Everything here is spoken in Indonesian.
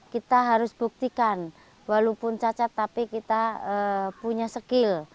kita harus buktikan walaupun cacat tapi kita punya skill